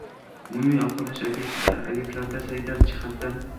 umumiy ovqatlanish ob’ektlarida sanitar jihatidan